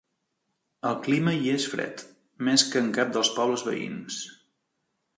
El clima hi és fred, més que en cap dels pobles veïns.